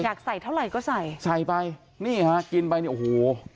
อยากใส่เท่าไหร่ก็ใส่ใส่ไปนี่ฮะกินไปเนี่ยโอ้โห